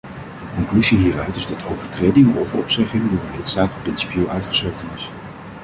De conclusie hieruit is dat uittreding of opzegging door een lidstaat principieel uitgesloten is.